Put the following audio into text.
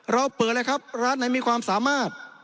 เราเปิดเลยครับร้านไหนมีความสามารถ